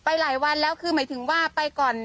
อ๋อไปหลายวันแล้วคือหมายถึงว่าไปก่อนกรุงเทพ